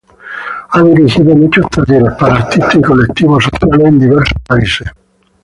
Ha dirigido muchos talleres para artistas y colectivos sociales en diversos países.